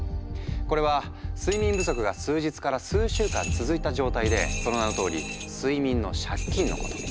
これは睡眠不足が数日から数週間続いた状態でその名のとおり「睡眠の借金」のこと。